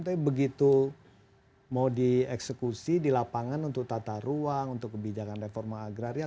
tapi begitu mau dieksekusi di lapangan untuk tata ruang untuk kebijakan reforma agraria